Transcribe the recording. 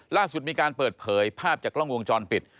ล่าสุดมีการเปิดเผยภาพจากกล้องวงจรปิด